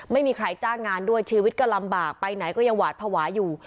ไม่มีใครจ้างงานด้วยชีวิตก็ลำบากไปไหนก็ยังหวาดภาวะอยู่